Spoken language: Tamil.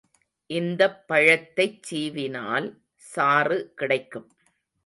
இந்த பழத்தைச் சீவினால் சாறு கிடைக்கும்.